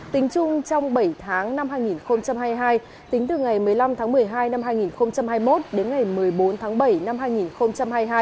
tính chung trong bảy tháng năm hai nghìn hai mươi hai tính từ ngày một mươi năm tháng một mươi hai năm hai nghìn hai mươi một đến ngày một mươi bốn tháng bảy năm hai nghìn hai mươi hai